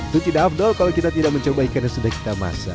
itu tidak afdol kalau kita tidak mencoba ikan yang sudah kita masak